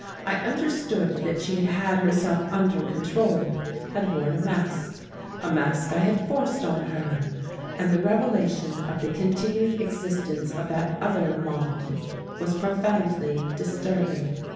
I understood that she had had herself under control, had worn a mask a mask I had forced on her; and the revelation of the continued existence of that other Maude was profoundly disturbing.